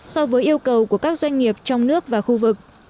so với yêu cầu của các doanh nghiệp trong nước và khu vực